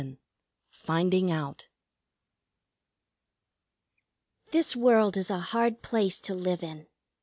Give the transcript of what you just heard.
XI FINDING OUT This world is a hard place to live in.